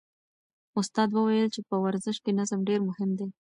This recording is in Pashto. استاد وویل چې په ورزش کې نظم ډېر مهم دی.